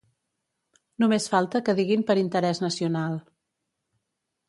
Només falta que diguin per interès nacional.